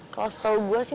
kalau setau gua sih